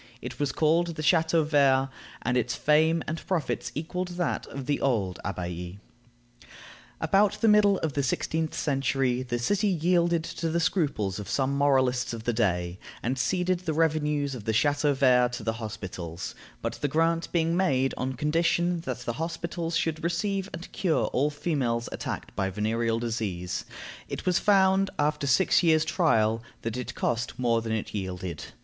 It was called the Chateau vert, and its fame and profits equaled that of the old abbaye. About the middle of the sixteenth century the city yielded to the scruples of some moralists of the day, and ceded the revenues of the Chateau vert to the hospitals; but the grant being made on condition that the hospitals should receive and cure all females attacked by venereal disease, it was found, after six years' trial, that it cost more than it yielded.